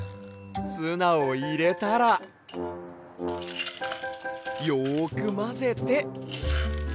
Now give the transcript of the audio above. ツナをいれたらよくまぜて。